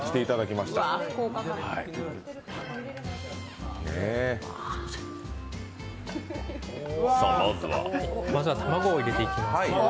まずは卵を入れていきます。